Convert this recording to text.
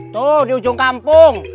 tuh di ujung kampung